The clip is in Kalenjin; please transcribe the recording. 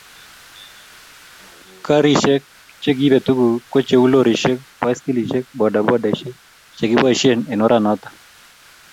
karishek chegiibe tuguk ko cheu lorishek, baskilishek, bodabodaishek chegiboishen eng oranoto